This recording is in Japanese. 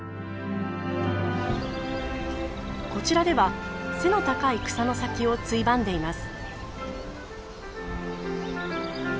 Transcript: こちらでは背の高い草の先をついばんでいます。